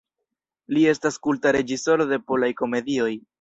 Li estas kulta reĝisoro de polaj komedioj.